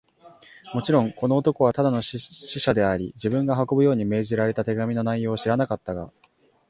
もちろん、この男はただの使者であり、自分が運ぶように命じられた手紙の内容を知らなかったが、